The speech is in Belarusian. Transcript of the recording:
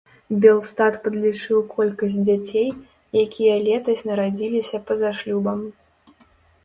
Белстат падлічыў колькасць дзяцей, якія летась нарадзіліся па-за шлюбам.